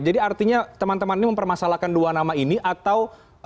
artinya teman teman ini mempermasalahkan dua nama ini atau